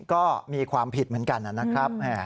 ก็มีความผิดเหมือนกันนะครับ